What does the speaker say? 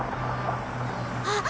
あっ！